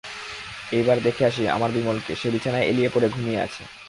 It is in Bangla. এইবার দেখে আসি আমার বিমলকে, সে বিছানায় এলিয়ে পড়ে ঘুমিয়ে অছে।